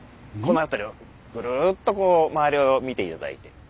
この辺りをぐるっとこう周りを見て頂いて。